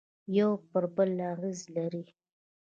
یوه پر بل اغېز لري